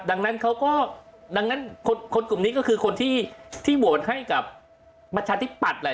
ดังนั้นเขาก็ดังนั้นคนกลุ่มนี้ก็คือคนที่โหวตให้กับประชาธิปัตย์แหละ